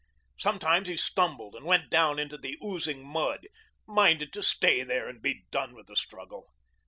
Sometimes he stumbled and went down into the oozing mud, minded to stay there and be done with the struggle.